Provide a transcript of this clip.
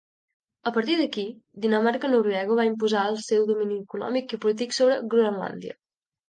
A partir d'aquí, Dinamarca-Noruega va imposar el seu domini econòmic i polític sobre Groenlàndia.